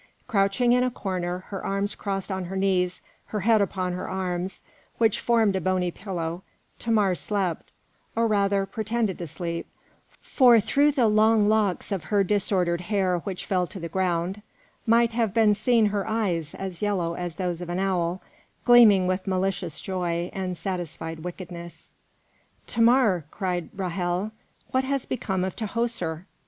Crouching in a corner, her arms crossed on her knees, her head upon her arms, which formed a bony pillow, Thamar slept, or rather, pretended to sleep; for through the long locks of her disordered hair which fell to the ground, might have been seen her eyes as yellow as those of an owl, gleaming with malicious joy and satisfied wickedness. "Thamar," cried Ra'hel, "what has become of Tahoser?"